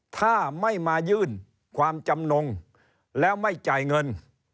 ถ้าไม่มายื่นความจำนงแล้วไม่จ่ายเงิน